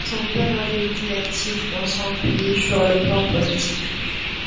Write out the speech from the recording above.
Son père avait été actif dans son pays sur le plan politique.